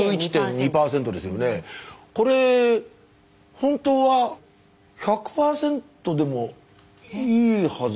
これ本当は１００％でもいいはず。